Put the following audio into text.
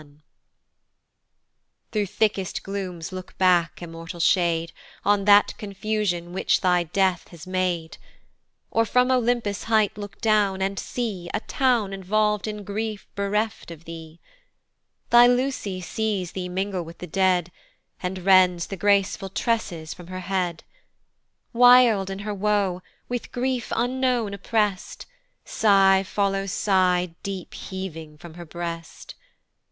THROUGH thickest glooms look back, immortal shade, On that confusion which thy death has made: Or from Olympus' height look down, and see A Town involv'd in grief bereft of thee. Thy Lucy sees thee mingle with the dead, And rends the graceful tresses from her head, Wild in her woe, with grief unknown opprest Sigh follows sigh deep heaving from her breast.